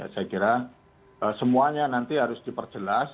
saya kira semuanya nanti harus diperjelas